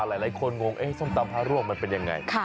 หลายคนงงส้มตำพระร่วงมันเป็นยังไง